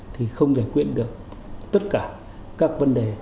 thì không giải quyết được tất cả các vấn đề